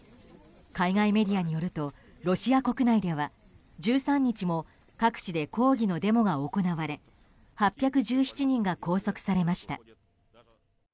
海外メディアによるとロシア国内では１３日も各地で抗議のデモが行われ８１７人が拘束されました。